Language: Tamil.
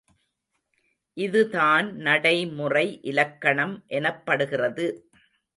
இதுதான் நடைமுறை இலக்கணம் எனப்படுகிறது.